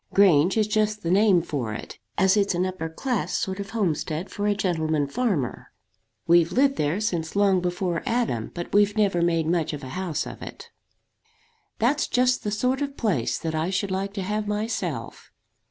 Grange is just the name for it, as it's an upper class sort of homestead for a gentleman farmer. We've lived there since long before Adam, but we've never made much of a house of it." "That's just the sort of place that I should like to have myself."